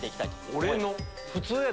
俺の？